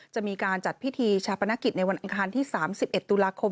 จะมีการจัดพิธีชาปนกิจในวันอังคารที่๓๑ตุลาคม